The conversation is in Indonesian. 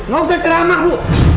gak usah ceramah bu